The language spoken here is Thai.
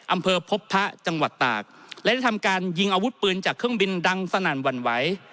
อำเภอพบพระจังหวัดตากและได้ทำการยิงอาวุธปืนจากเครื่องบินดังสนั่นหวั่นไหว